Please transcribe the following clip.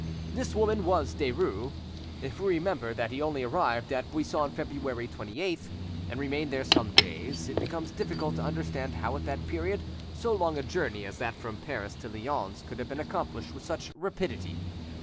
This woman was Derues. If we remember that he only arrived at Buisson February 28th, and remained there for some days, it becomes difficult to understand how at that period so long a journey as that from Paris to Lyons could have been accomplished with such rapidity.